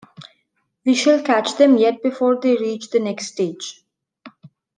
We shall catch them yet before they reach the next stage.